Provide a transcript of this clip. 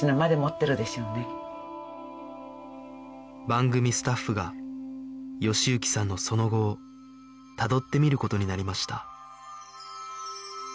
番組スタッフが喜之さんのその後をたどってみる事になりました